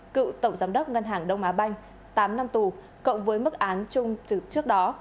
cựu tổng giám đốc ngân hàng đông á banh tám năm tù cộng với mức án chung từ trước đó